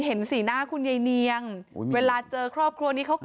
โอ้๙๓แล้วนะ